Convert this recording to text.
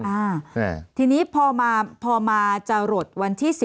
อ่าทีนี้พอมาพอมาจะหลดวันที่๑๑